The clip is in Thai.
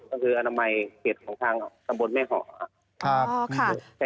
ก็คืออนามัยเหตุของทางสมบนแม่ห่อ